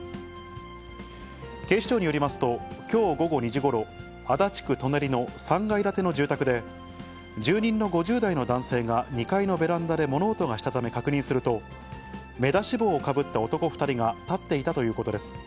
警視庁によりますと、きょう午後２時ごろ、足立区舎人の３階建ての住宅で、住人の５０代の男性が、２階のベランダで物音がしたため確認すると、目出し帽をかぶった男２人が立っていたということです。